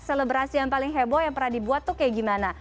selebrasi yang paling heboh yang pernah dibuat tuh kayak gimana